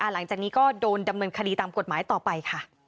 หลังจากนี้ก็โดนดำเนินคดีตามกฎหมายต่อไปค่ะ